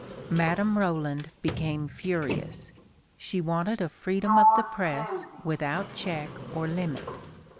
Madame Roland became furious. She wanted a freedom of the press without check or limit.